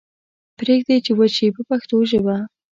پریږدئ چې وچ شي په پښتو ژبه.